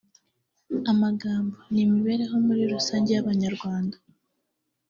amagambo) ni imibereho muri rusange y’Abanyarwanda